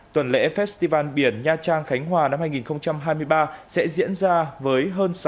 tuần lễ festival biển nha trang khánh hòa năm hai nghìn hai mươi ba sẽ diễn ra với hơn